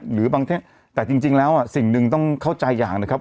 หรือบางเทศแต่จริงแล้วสิ่งหนึ่งต้องเข้าใจอย่างนะครับ